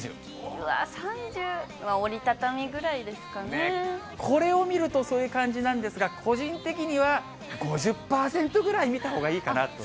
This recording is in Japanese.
うわー、３０、折り畳みぐらこれを見ると、そういう感じなんですが、個人的には５０％ぐらい見たほうがいいかなと。